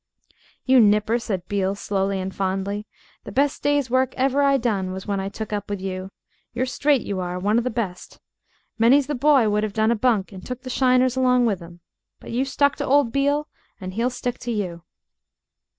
"You nipper," said Beale, slowly and fondly, "the best day's work ever I done was when I took up with you. You're straight, you are one of the best. Many's the boy would 'ave done a bunk and took the shiners along with him. But you stuck to old Beale, and he'll stick to you."